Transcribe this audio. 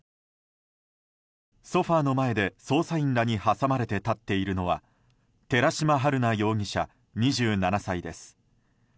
ソファの前で捜査員らに挟まれて立っているのは寺島春奈容疑者、２７歳です。